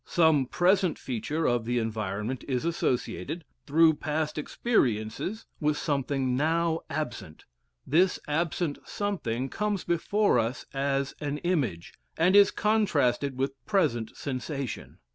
Some present feature of the environment is associated, through past experiences, with something now absent; this absent something comes before us as an image, and is contrasted with present sensation.